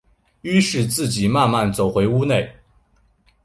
於是自己慢慢走回屋内